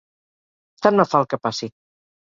Tant me fa el que passi.